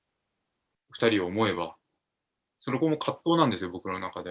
２人を思えば、そこも葛藤なんですよ、僕の中で。